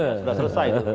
sudah selesai itu